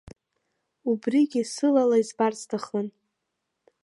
Убригьы сылала избар сҭахын.